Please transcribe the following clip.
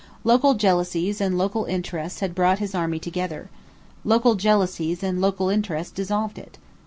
Local jealousies and local interests had brought his army together. Local jealousies and local interests dissolved it.